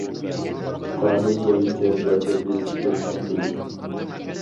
قانۇن بويىچە زەربە بېرىشتە چىڭ تۇرۇش.